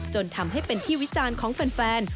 จนทำให้เป็นที่วิจารณ์ของแฟน